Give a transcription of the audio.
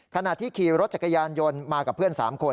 ขณะที่ขี่รถจักรยานยนต์มากับเพื่อน๓คน